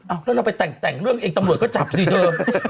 เอาแล้วเราไปแต่งเรื่องเองตำรวจก็จับสิเดิม